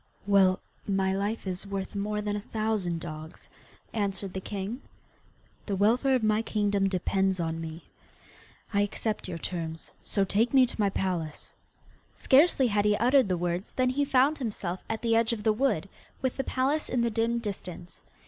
'Well, my life is worth more than a thousand dogs,' answered the king, 'the welfare of my kingdom depends on me. I accept your terms, so take me to my palace.' Scarcely had he uttered the words than he found himself at the edge of the wood, with the palace in the dim distance.